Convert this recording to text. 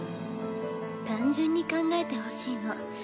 単純に考えてほしいの。